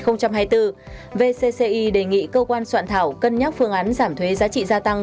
năm hai nghìn hai mươi bốn vcci đề nghị cơ quan soạn thảo cân nhắc phương án giảm thuế giá trị gia tăng